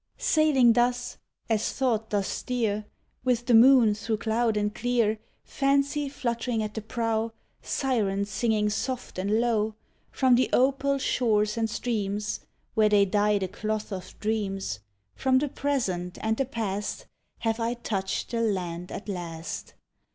Sailing thus, as thought doth steer, With the moon through cloud and clear, Fancy flutt'ring at the prow, Sirens singing soft and low, From the opal shores and streams, Where they dye the cloth of dreams— From the present and the past Have I touched the land at last!